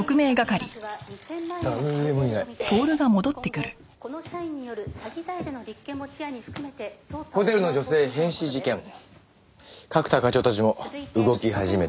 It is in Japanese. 「今後この社員による詐欺罪での立件も視野に含めて」ホテルの女性変死事件角田課長たちも動き始めたみたいですね。